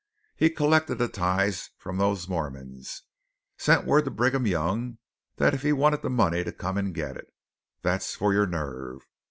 He collected the tithes from those Mormons, and sent word to Brigham Young that if he wanted the money to come and get it. That's for your nerve.